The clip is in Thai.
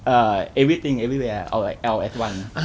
เอ่อเอเวอร์ทิ้งเอเวอร์เวอร์อ่อเอลแอสวัน